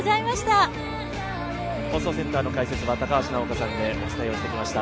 放送センターの解説は高橋尚子さんでお伝えをしてきました。